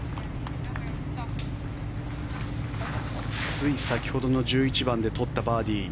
つい先ほどの１１番で取ったバーディー。